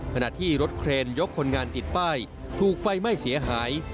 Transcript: ขณะที่รถเครนยกคนงานติดป้ายถูกไฟไหม้เสียหาย